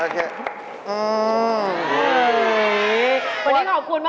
โอเคโอเคโอเค